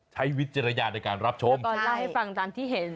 ใช้วิจารณญาณในการรับชมค่ะแล้วก็เล่าให้ฟังตรงที่เห็น